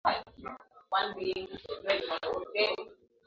Ameingia madarakani baada ya kifo cha mtangulizi wake John Pombe Magufuli